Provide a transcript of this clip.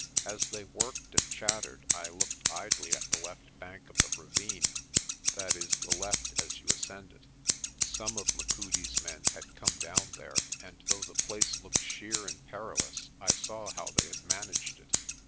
As they worked and chattered I looked idly at the left bank of the ravine that is, the left as you ascend it. Some of Machudi's men had come down there and, though the place looked sheer and perilous, I saw how they had managed it.